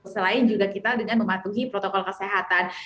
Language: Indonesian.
selain juga kita dengan mematuhi protokol kesehatan